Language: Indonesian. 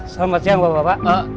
selamat siang bapak